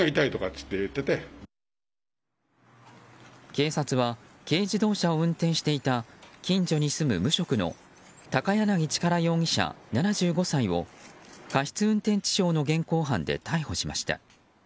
警察は、軽自動車を運転していた近所に住む無職のタカヤナギ・チカラ容疑者７５歳を過失運転致傷の現行犯で逮捕しました。